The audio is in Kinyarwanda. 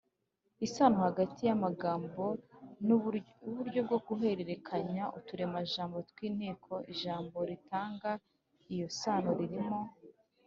isano hagati y’amagambo ni uburyo bwo guhererekanya uturemajambo tw’inteko ijambo ritanga iyo sano ririmo.